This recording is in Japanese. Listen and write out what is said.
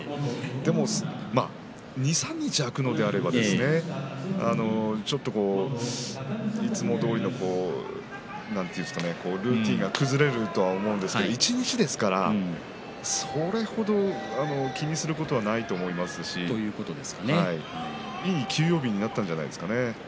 でも２、３日空くのであればちょっといつもどおりのルーティンが崩れると思うんですけれど一日ですからそれ程、気にすることはないと思いますしいい休養日になったんじゃないですかね。